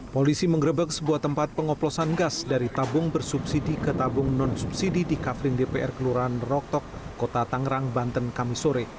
polisi mengerebek sebuah tempat pengoplosan gas dari tabung bersubsidi ke tabung non subsidi di kafrin dpr kelurahan roktok kota tangerang banten kami sore